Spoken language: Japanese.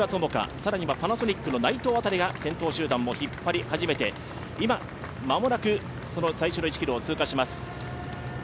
更にはパナソニックの内藤辺りが先頭集団を引っ張り始めて今、間もなく、最初の１ｋｍを通過します。